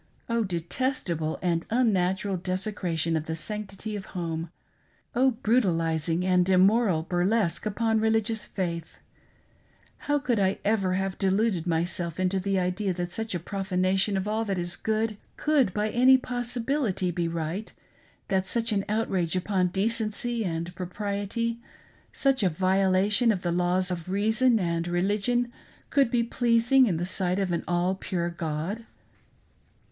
Oh, detestable and unnatural desecration of the sanctity of home! Oh brutal ising and immoral burlesque upon religious faith ! How could I ever have deluded myself into the idea that such a profanation of all that is good could by any possibility be right, that, such an outrage upon decency and propriety, si^ch a violation of the laws of reason and religion could be pleasing in the sight of an all pure God